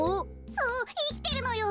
そういきてるのよ。